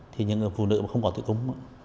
thì những người phụ nữ không có tử cung